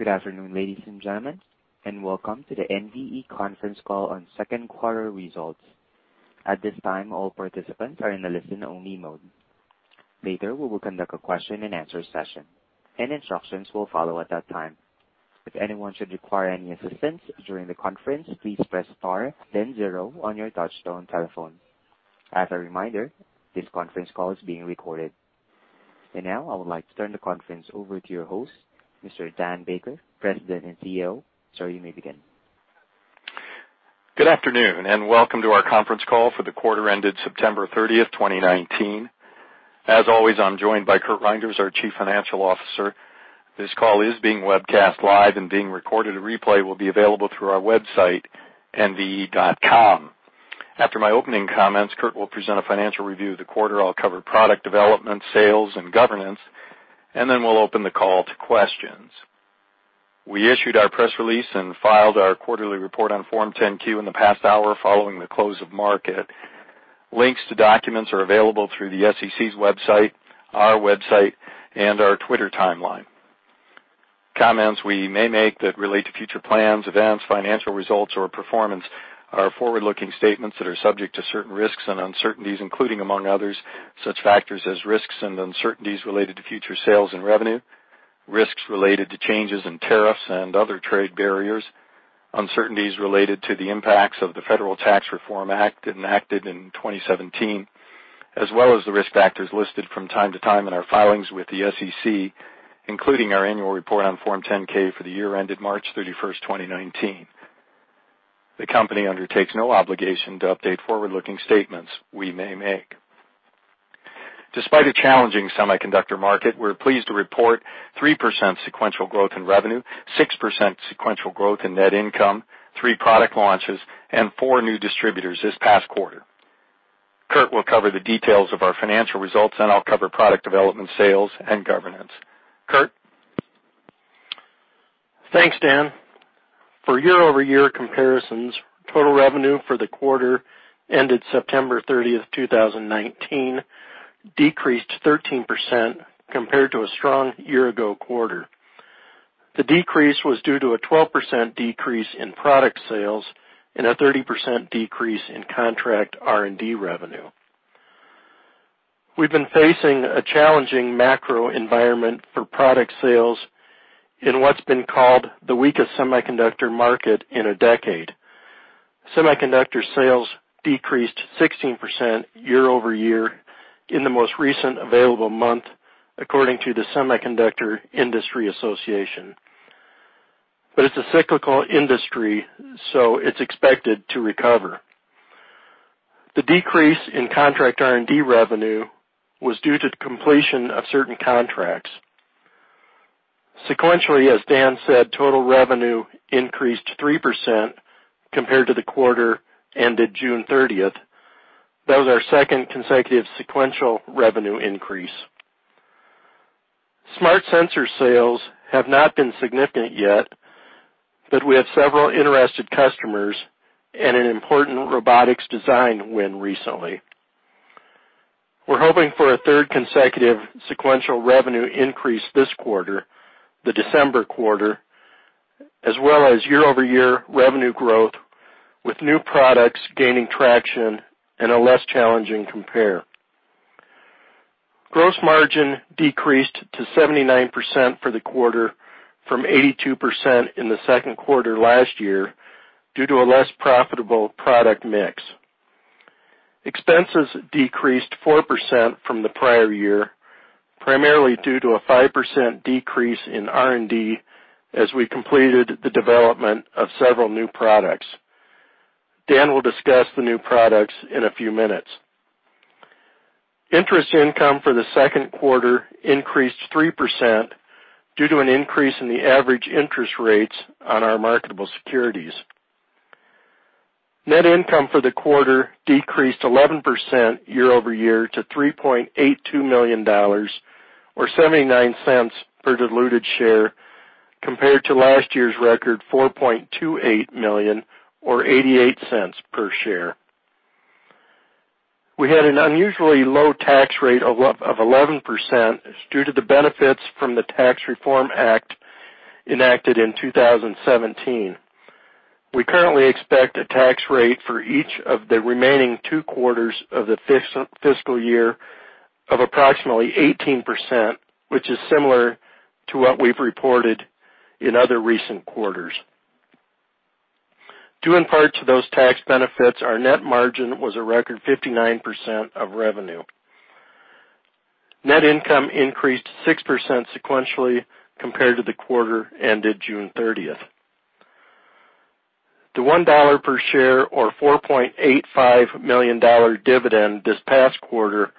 Good afternoon, ladies and gentlemen, welcome to the NVE conference call on second quarter results. At this time, all participants are in listen-only mode. Later, we will conduct a question-and-answer session, and instructions will follow at that time. If anyone should require any assistance during the conference, please press star then zero on your touch-tone telephone. As a reminder, this conference call is being recorded. Now, I would like to turn the conference over to your host, Mr. Dan Baker, President and CEO. Sir, you may begin. Good afternoon, and welcome to our conference call for the quarter ended September 30th, 2019. As always, I'm joined by Kurt Wiederein, our Chief Financial Officer. This call is being webcast live and being recorded. A replay will be available through our website, nve.com. After my opening comments, Kurt will present a financial review of the quarter. I'll cover product development, sales, and governance, and then we'll open the call to questions. We issued our press release and filed our quarterly report on Form 10-Q in the past hour following the close of market. Links to documents are available through the SEC's website, our website, and our Twitter timeline. Comments we may make that relate to future plans, events, financial results, or performance are forward-looking statements that are subject to certain risks and uncertainties, including, among others, such factors as risks and uncertainties related to future sales and revenue, risks related to changes in tariffs and other trade barriers, uncertainties related to the impacts of the Federal Tax Reform Act enacted in 2017, as well as the risk factors listed from time to time in our filings with the SEC, including our annual report on Form 10-K for the year ended March 31st, 2019. The company undertakes no obligation to update forward-looking statements we may make. Despite a challenging semiconductor market, we're pleased to report 3% sequential growth in revenue, 6% sequential growth in net income, three product launches, and four new distributors this past quarter. Kurt will cover the details of our financial results, then I'll cover product development sales and governance. Kurt? Thanks, Dan. For year-over-year comparisons, total revenue for the quarter ended September 30th, 2019 decreased 13% compared to a strong year-ago quarter. The decrease was due to a 12% decrease in product sales and a 30% decrease in contract R&D revenue. We've been facing a challenging macro environment for product sales in what's been called the weakest semiconductor market in a decade. Semiconductor sales decreased 16% year-over-year in the most recent available month, according to the Semiconductor Industry Association. It's a cyclical industry, so it's expected to recover. The decrease in contract R&D revenue was due to the completion of certain contracts. Sequentially, as Dan said, total revenue increased 3% compared to the quarter ended June 30th. That was our second consecutive sequential revenue increase. smart sensor sales have not been significant yet, but we have several interested customers and an important robotics design win recently. We're hoping for a third consecutive sequential revenue increase this quarter, the December quarter, as well as year-over-year revenue growth, with new products gaining traction and a less challenging compare. Gross margin decreased to 79% for the quarter from 82% in the second quarter last year due to a less profitable product mix. Expenses decreased 4% from the prior year, primarily due to a 5% decrease in R&D as we completed the development of several new products. Dan will discuss the new products in a few minutes. Interest income for the second quarter increased 3% due to an increase in the average interest rates on our marketable securities. Net income for the quarter decreased 11% year-over-year to $3.82 million, or $0.79 per diluted share, compared to last year's record, $4.28 million or $0.88 per share. We had an unusually low tax rate of 11% due to the benefits from the Tax Reform Act enacted in 2017. We currently expect a tax rate for each of the remaining two quarters of the fiscal year of approximately 18%, which is similar to what we've reported in other recent quarters. Due in part to those tax benefits, our net margin was a record 59% of revenue. Net income increased 6% sequentially compared to the quarter ended June 30th. The $1 per share, or $4.85 million dividend this past quarter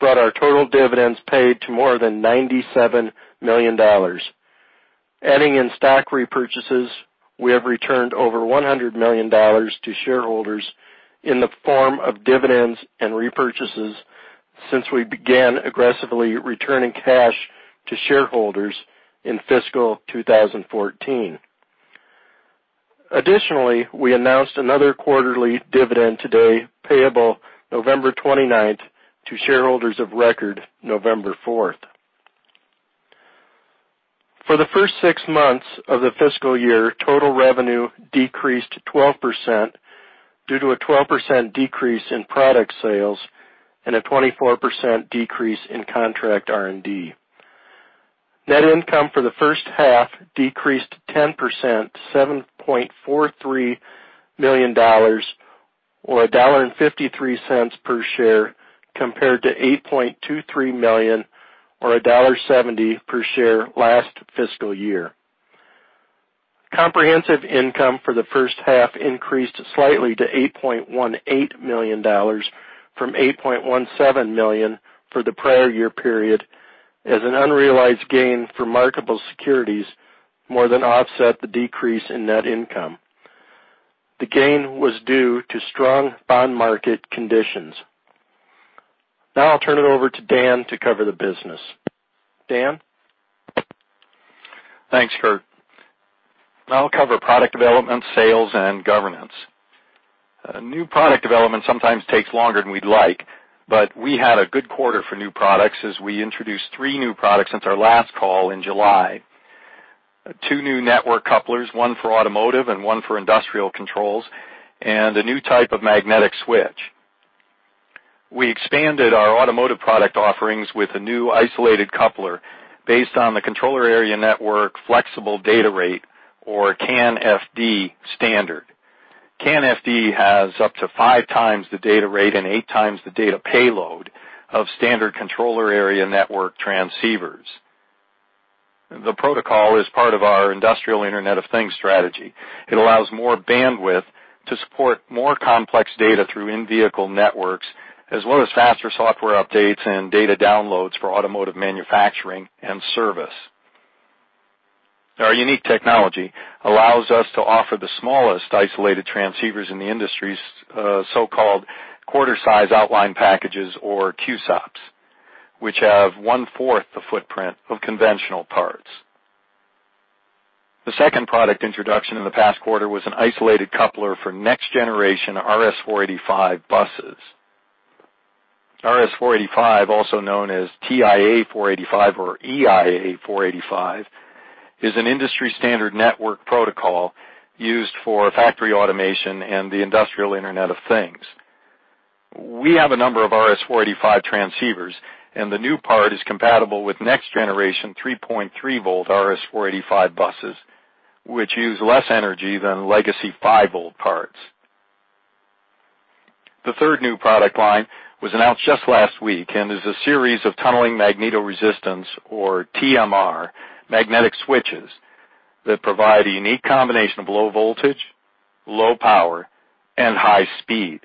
brought our total dividends paid to more than $97 million. Adding in stock repurchases, we have returned over $100 million to shareholders in the form of dividends and repurchases since we began aggressively returning cash to shareholders in fiscal 2014. Additionally, we announced another quarterly dividend today, payable November 29th to shareholders of record November 4th. For the first six months of the fiscal year, total revenue decreased 12%, due to a 12% decrease in product sales and a 24% decrease in contract R&D. Net income for the first half decreased 10%, $7.43 million, or $1.53 per share, compared to $8.23 million or $1.70 per share last fiscal year. Comprehensive income for the first half increased slightly to $8.18 million from $8.17 million for the prior year period, as an unrealized gain for marketable securities more than offset the decrease in net income. The gain was due to strong bond market conditions. Now, I'll turn it over to Dan to cover the business. Dan? Thanks, Kurt. I'll cover product development, sales, and governance. New product development sometimes takes longer than we'd like, but we had a good quarter for new products as we introduced three new products since our last call in July. Two new network couplers, one for automotive and one for industrial controls, and a new type of magnetic switch. We expanded our automotive product offerings with a new isolated coupler based on the controller area network flexible data rate, or CAN FD standard. CAN FD has up to five times the data rate and eight times the data payload of standard controller area network transceivers. The protocol is part of our industrial Internet of Things strategy. It allows more bandwidth to support more complex data through in-vehicle networks, as well as faster software updates and data downloads for automotive manufacturing and service. Our unique technology allows us to offer the smallest isolated transceivers in the industry's so-called Quarter-Size Outline Packages, or QSOPs, which have one-fourth the footprint of conventional parts. The second product introduction in the past quarter was an isolated coupler for next-generation RS-485 buses. RS-485, also known as TIA-485 or EIA-485, is an industry-standard network protocol used for factory automation and the industrial Internet of Things. We have a number of RS-485 transceivers, and the new part is compatible with next-generation 3.3-volt RS-485 buses, which use less energy than legacy five-volt parts. The third new product line was announced just last week and is a series of tunneling magnetoresistance, or TMR, magnetic switches that provide a unique combination of low voltage, low power, and high speed.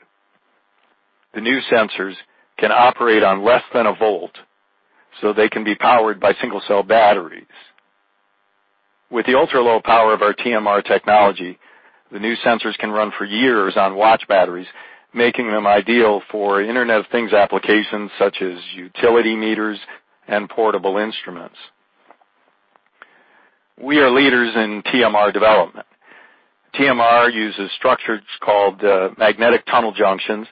The new sensors can operate on less than a volt, so they can be powered by single-cell batteries. With the ultra-low power of our TMR technology, the new sensors can run for years on watch batteries, making them ideal for Internet of Things applications such as utility meters and portable instruments. We are leaders in TMR development. TMR uses structures called magnetic tunnel junctions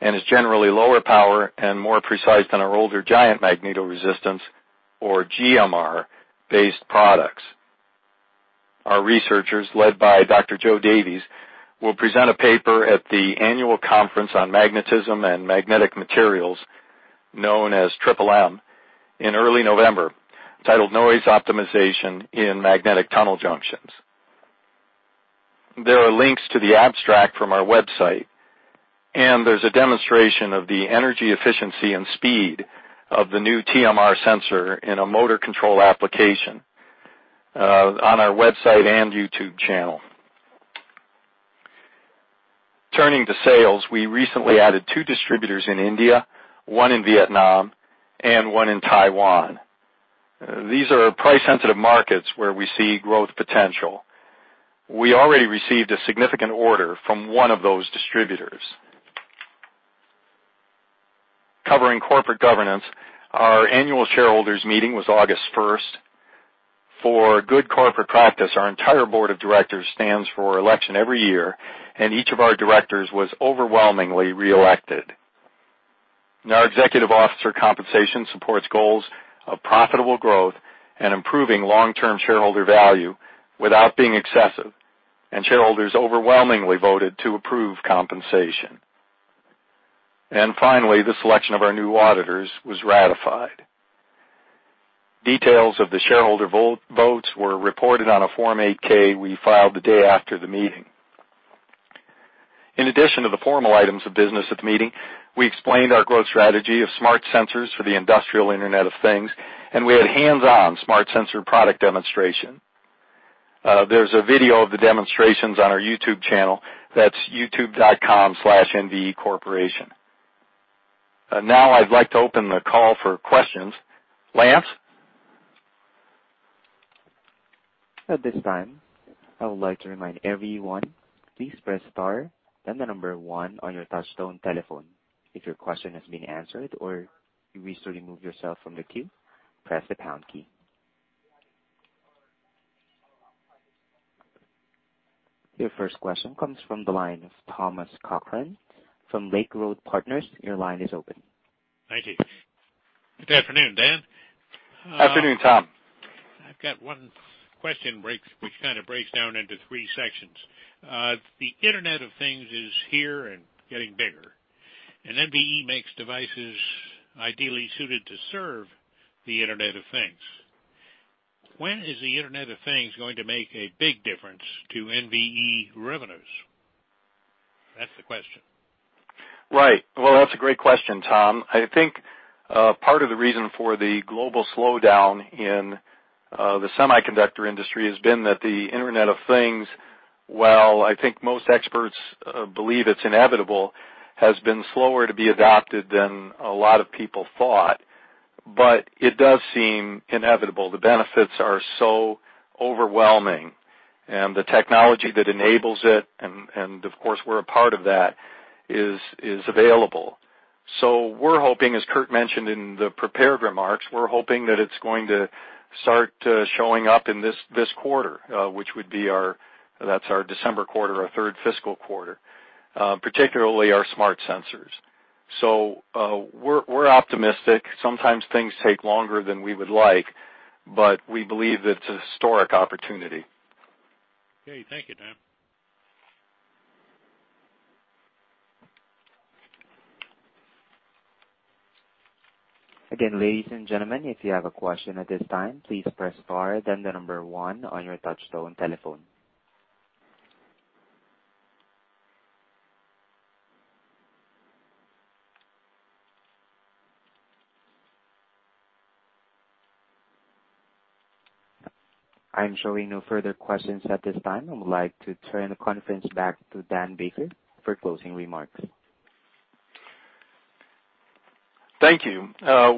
and is generally lower power and more precise than our older giant magnetoresistance, or GMR-based products. Our researchers, led by Dr. Joe Davies, will present a paper at the annual Conference on Magnetism and Magnetic Materials, known as MMM, in early November, titled "Noise Optimization in Magnetic Tunnel Junctions." There are links to the abstract from our website, and there's a demonstration of the energy efficiency and speed of the new TMR sensor in a motor control application on our website and YouTube channel. Turning to sales, we recently added two distributors in India, one in Vietnam, and one in Taiwan. These are price-sensitive markets where we see growth potential. We already received a significant order from one of those distributors. Covering corporate governance, our annual shareholders meeting was August 1st. For good corporate practice, our entire board of directors stands for election every year, and each of our directors was overwhelmingly reelected. Our executive officer compensation supports goals of profitable growth and improving long-term shareholder value without being excessive, and shareholders overwhelmingly voted to approve compensation. Finally, the selection of our new auditors was ratified. Details of the shareholder votes were reported on a Form 8-K we filed the day after the meeting. In addition to the formal items of business at the meeting, we explained our growth strategy of smart sensors for the industrial Internet of Things, and we had hands-on smart sensor product demonstration. There's a video of the demonstrations on our youtube.com/nvecorporation channel. That's youtube.com/nvecorporation. I'd like to open the call for questions. Lance? At this time, I would like to remind everyone. Please press star, then the number one on your touchtone telephone. If your question has been answered or you wish to remove yourself from the queue, press the pound key. Your first question comes from the line of Thomas Cochran from Lake Road Partners. Your line is open. Thank you. Good afternoon, Dan. Afternoon, Tom. I've got one question which kind of breaks down into three sections. The Internet of Things is here and getting bigger, and NVE makes devices ideally suited to serve the Internet of Things. When is the Internet of Things going to make a big difference to NVE revenues? That's the question. Right. Well, that's a great question, Tom. I think part of the reason for the global slowdown in the semiconductor industry has been that the Internet of Things, while I think most experts believe it's inevitable, has been slower to be adopted than a lot of people thought. It does seem inevitable. The benefits are so overwhelming, and the technology that enables it, and of course, we're a part of that, is available. We're hoping, as Kurt mentioned in the prepared remarks, we're hoping that it's going to start showing up in this quarter, that's our December quarter, our third fiscal quarter, particularly our smart sensors. We're optimistic. Sometimes things take longer than we would like, but we believe that it's a historic opportunity. Okay. Thank you, Dan. Again, ladies and gentlemen, if you have a question at this time, please press star then the number one on your touchtone telephone. I'm showing no further questions at this time. I would like to turn the conference back to Dan Baker for closing remarks. Thank you.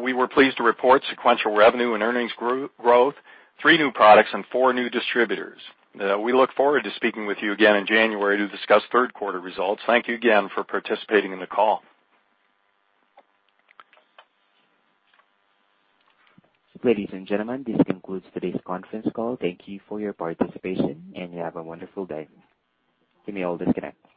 We were pleased to report sequential revenue and earnings growth, three new products, and four new distributors. We look forward to speaking with you again in January to discuss third quarter results. Thank you again for participating in the call. Ladies and gentlemen, this concludes today's conference call. Thank you for your participation, and have a wonderful day. You may all disconnect.